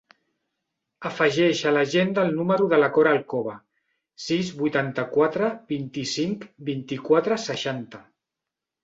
Afegeix a l'agenda el número de la Cora Alcoba: sis, vuitanta-quatre, vint-i-cinc, vint-i-quatre, seixanta.